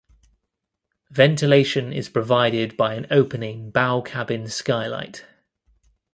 Ventilation is provided by an opening bow cabin skylight.